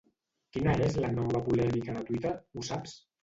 Quina és la nova polèmica de Twitter, ho saps?